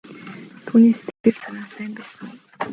Түүний сэтгэл санаа сайн байсан уу?